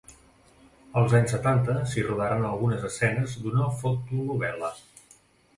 Als anys setanta s'hi rodaren algunes escenes d'una fotonovel·la.